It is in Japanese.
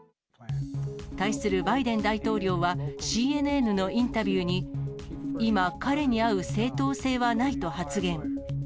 対するバイデン大統領は、ＣＮＮのインタビューに、今、彼に会う正当性はないと発言。